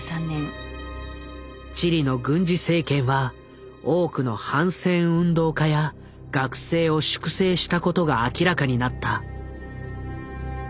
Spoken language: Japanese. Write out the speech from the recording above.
チリの軍事政権は多くの反戦運動家や学生を粛清したことが明らかになった。